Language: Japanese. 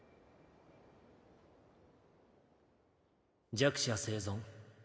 弱者生存。